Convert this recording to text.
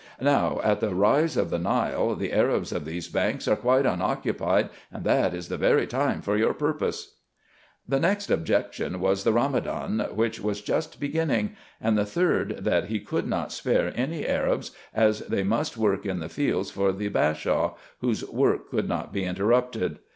Now, at the rise of the Nile, the Arabs of these banks are quite unoccupied, and that is the very time for your purpose." The next objection was the Ramadan, which was just beginning ; and the third, that he could not spare any Arabs, as they must work in the fields for the Bashaw, whose work could not be interrupted.